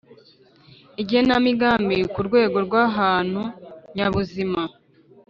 Igenamigambi ku rwego rw ahantu nyabuzima